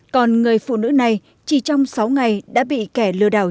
còn người phụ nữ này chỉ trong sáu ngày đã bị kẻ lừa đảo